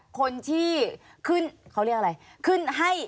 คนที่ขึ้นเขาเรียกอะไร